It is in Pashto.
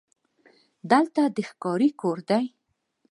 دلته د ښکاري کور دی: